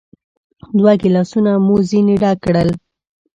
دوه ګیلاسونه مو ځینې ډک کړل.